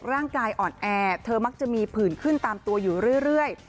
ร่างกายอ่อนแอเธอมักจะมีผื่นขึ้นตามตัวอยู่เรื่อย